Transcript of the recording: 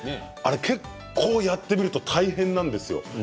結構やってみると大変なんですよ。